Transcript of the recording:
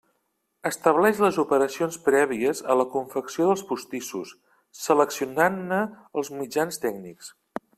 Estableix les operacions prèvies a la confecció dels postissos seleccionant-ne els mitjans tècnics.